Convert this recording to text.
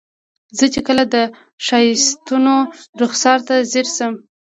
زه چې کله د ښایستونو رخسار ته ځیر شم.